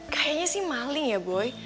kayaknya sih maling ya boy